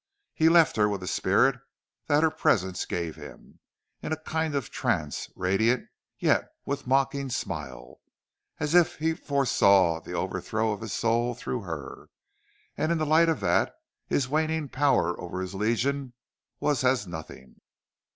He left her with a spirit that her presence gave him, in a kind of trance, radiant, yet with mocking smile, as if he foresaw the overthrow of his soul through her, and in the light of that his waning power over his Legion was as nothing.